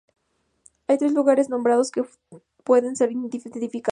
Hay tres lugares nombrados que pueden ser identificados.